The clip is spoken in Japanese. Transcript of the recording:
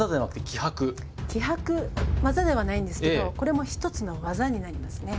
気迫技ではないんですけどこれも一つの技になりますね。